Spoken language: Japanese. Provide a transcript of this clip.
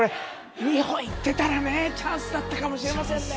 日本いってたらチャンスだったかもしれないね。